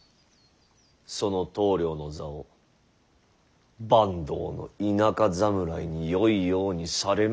その棟梁の座を坂東の田舎侍によいようにされるなどもっての外。